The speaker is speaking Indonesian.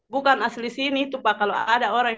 bukan asli sini itu pak kalau ada orang